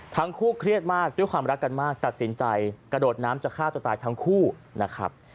ทั้งคู่เครียดมากด้วยความรักกันมากตัดสินใจกระโดดน้ำจะฆ่าตัวตายทั้งคู่นะครับ